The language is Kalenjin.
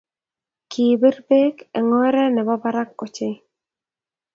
Kipir beek eng oree ne bo barak ochei.